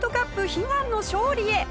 悲願の勝利へ！